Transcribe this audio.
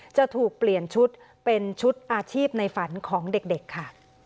จะถูกเปลี่ยนชุดเป็นชุดอาชีพในฝันของเด็กค่ะ